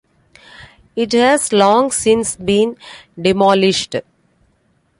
It has long since been demolished.